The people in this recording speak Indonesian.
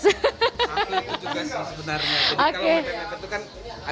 sambil itu juga sebenarnya